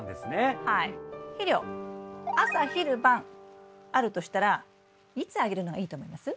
朝昼晩あるとしたらいつあげるのがいいと思います？